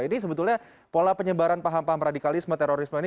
ini sebetulnya pola penyebaran paham paham radikalisme terorisme ini